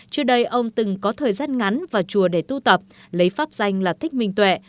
trước đây ông từng có thời gian ngắn vào chùa để tu tập lấy pháp danh là thích minh tuệ